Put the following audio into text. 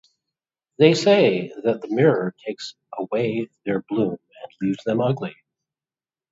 They say that the mirror takes away their bloom and leaves them ugly.